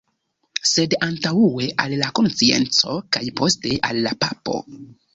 Sed antaŭe al la konscienco kaj poste al la papo”.